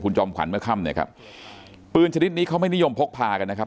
จอมขวัญเมื่อค่ำเนี่ยครับปืนชนิดนี้เขาไม่นิยมพกพากันนะครับ